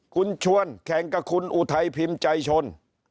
คุณชวนแข่งกับคุณอุทัยพิมพ์ใจชน